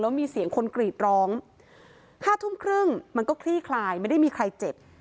มีเสียงคนกรีดร้องห้าทุ่มครึ่งมันก็คลี่คลายไม่ได้มีใครเจ็บ